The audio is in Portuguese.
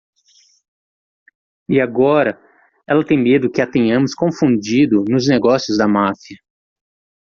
E agora ela tem medo que a tenhamos confundido nos negócios da máfia.